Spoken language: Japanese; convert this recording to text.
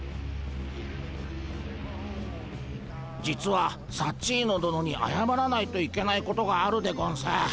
実はサッチーノ殿にあやまらないといけないことがあるでゴンス。